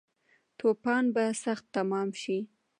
توپان به سخت تمام شی